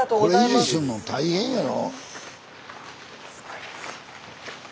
これ維持すんの大変やろ。